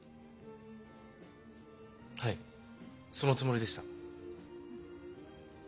はいそのつもりでした。